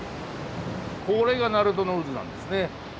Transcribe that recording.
これが鳴門の渦なんですね。